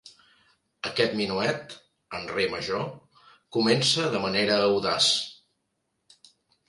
Aquest minuet, en re major, comença de manera audaç.